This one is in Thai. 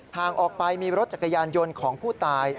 ห่างออกไปมีรถจักรยานยนต์ของผู้ตาย